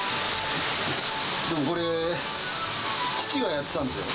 でも、これ、父がやってたんですよ。